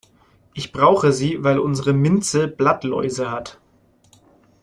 Ich brauche sie, weil unsere Minze Blattläuse hat.